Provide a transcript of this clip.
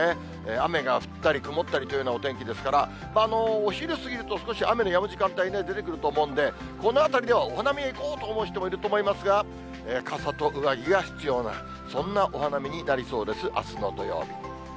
雨が降ったり曇ったりというようなお天気ですから、お昼過ぎると、少し雨のやむ時間帯出てくると思うんで、このあたりではお花見へ行こうという思う方もいるかと思いますが、傘と上着が必要なそんなお花見になりそうです、あすの土曜日。